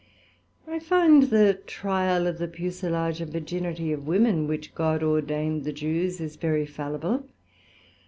I find the tryal of the Pucellage and virginity of Women, which God ordained the Jews, is very fallible.